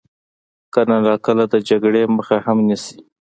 کله ناکله د جګړې مخه هم نیسي.